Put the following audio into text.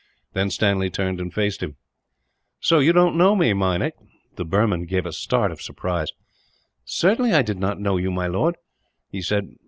Then Stanley turned and faced him. "So you don't know me, Meinik." The Burman gave a start of surprise. "Certainly I did not know you, my lord," he said.